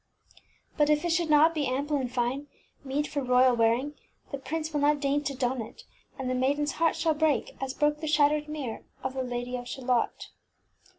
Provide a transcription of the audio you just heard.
But if it should not be ample and fine, meet for royal wearing, the prince will not deign to don it, and the maidenŌĆÖs heart shall break, as broke the shattered mirror of the Lady of Shalott.